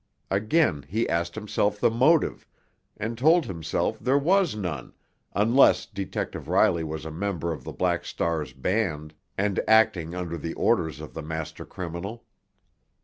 Again he asked himself the motive, and told himself there was none, unless Detective Riley was a member of the Black Star's band and acting under the orders of the master criminal.